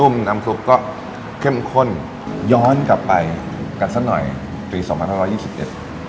มันก็สุ่มกับเงี้ยเป็ดแน่